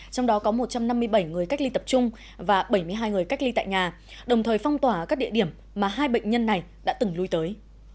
trong đó có một trăm năm mươi bảy người cách ly tập trung và bảy mươi hai người cách ly tại nhà đồng thời phong tỏa các địa điểm mà hai bệnh nhân này đã từng lui tới